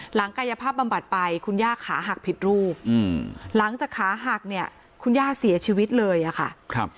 กายภาพบำบัดไปคุณย่าขาหักผิดรูปหลังจากขาหักเนี่ยคุณย่าเสียชีวิตเลยอะค่ะ